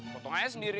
potong aja sendiri